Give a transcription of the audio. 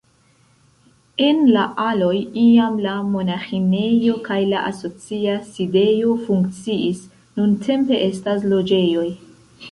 En la aloj iam la monaĥinejo kaj la asocia sidejo funkciis, nuntempe estas loĝejoj.